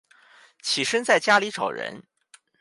起身在家里找人